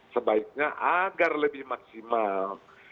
sebaiknya agar lebih maksimal